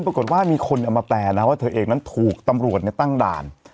ปรากฏว่ามีคนเอามาแปลนะว่าเธอเองนั้นถูกตำรวจตั้งด่าน